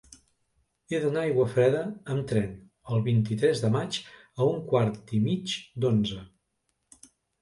He d'anar a Aiguafreda amb tren el vint-i-tres de maig a un quart i mig d'onze.